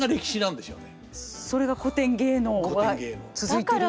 それが古典芸能は続いてる理由。